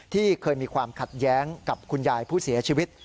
ที่เคยมีความขัดแย้งกับคุณยายผู้เสียชีวิต